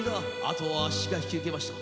後はあっしが引受けました。